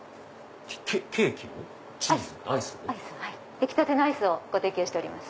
出来たてのアイスをご提供しております。